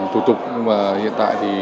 thủ tục nhưng mà hiện tại thì